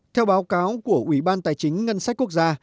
theo báo cáo của ủy ban tài chính ngân sách quốc gia